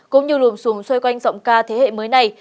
cũng như lùm xùm xoay quanh giọng ca thế hệ mới này